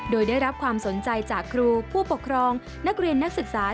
โดยได้รับความสนใจจากครูผู้ปกครองนักเรียนนักศึกษา